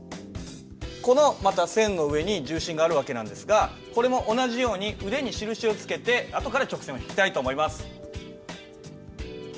このまた線の上に重心がある訳なんですがこれも同じように腕に印を付けてあとから直線を引きたいと思います。